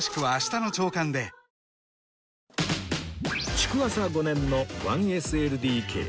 築浅５年の １ＳＬＤＫ